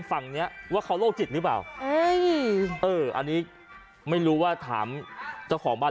ฝั่งเนี้ยว่าเขาโรคจิตหรือเปล่าเอ้ยเอออันนี้ไม่รู้ว่าถามเจ้าของบ้าน